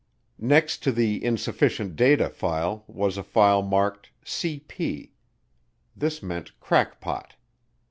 Next to the "Insufficient Data" file was a file marked "C.P." This meant crackpot.